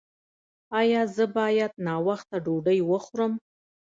ایا زه باید ناوخته ډوډۍ وخورم؟